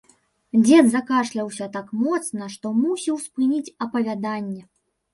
Дзед закашляўся так моцна, што мусіў спыніць апавяданне.